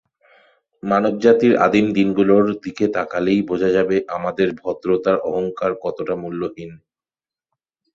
মানবজাতির আদিম দিনগুলোর দিকে তাকালেই বোঝা যাবে আমাদের ভদ্রতার অহংকার কতটা মূল্যহীন।